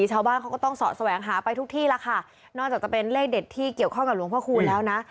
ชาวบ้านเขาก็ต้องเสาะแสวงหาไปทุกที่แล้วค่ะนอกจากจะเป็นเลขเด็ดที่เกี่ยวข้องกับหลวงพ่อคูณแล้วนะ